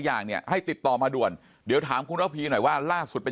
อย่างเนี่ยให้ติดต่อมาด่วนเดี๋ยวถามคุณระพีหน่อยว่าล่าสุดไป